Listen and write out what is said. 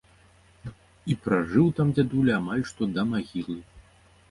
І пражыў там дзядуля амаль што да магілы.